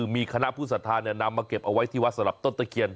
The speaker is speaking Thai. คือมีคณะผู้สาธารณ์เนี่ยนำมาเก็บเอาไว้ที่วัดสำหรับต้นตะเคียน